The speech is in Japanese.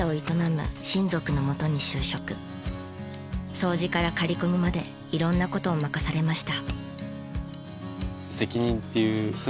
掃除から刈り込みまで色んな事を任されました。